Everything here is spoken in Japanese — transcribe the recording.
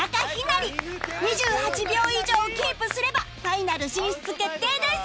２８秒以上をキープすればファイナル進出決定です